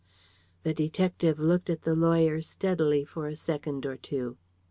The detective looked at the lawyer steadily for a second or two.